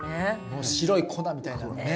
もう白い粉みたいなね。